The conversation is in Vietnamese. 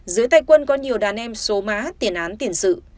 dưới tay quân có nhiều đàn em số má tiền án tiền sự